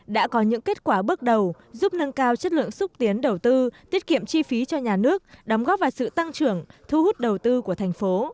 đã có những kết quả bước đầu giúp nâng cao chất lượng xúc tiến đầu tư tiết kiệm chi phí cho nhà nước đóng góp vào sự tăng trưởng thu hút đầu tư của thành phố